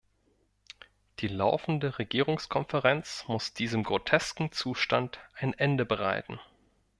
Die laufende Regierungskonferenz muss diesem grotesken Zustand ein Ende bereiten.